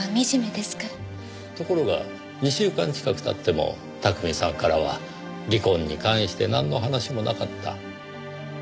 ところが２週間近く経っても巧さんからは離婚に関してなんの話もなかった。